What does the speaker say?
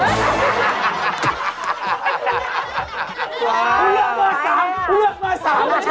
คุณเลือกมา๓คุณเลือกมา๓ไม่ใช่